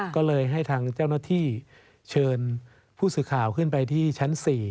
ก็เลยให้ทางเจ้าหน้าที่เชิญผู้สื่อข่าวขึ้นไปที่ชั้น๔